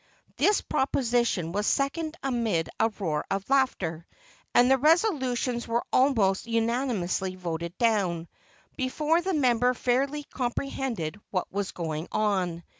This proposition was seconded amid a roar of laughter; and the resolutions were almost unanimously voted down, before the member fairly comprehended what was going on.